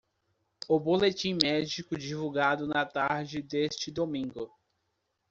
O boletim médico divulgado na tarde deste domingo.